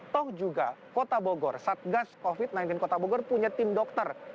toh juga kota bogor satgas covid sembilan belas kota bogor punya tim dokter